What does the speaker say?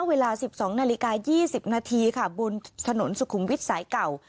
เวลา๑๒นาฬิกา๒๐นาทีค่ะบนถนนสุขุมวิทย์สายเก่า